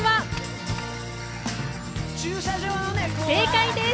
正解です！